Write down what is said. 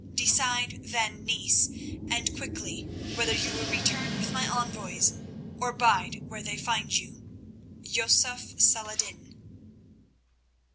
Decide, then, Niece, and quickly, whether you will return with my envoys, or bide where they find you.— "Yusuf Salah ed din."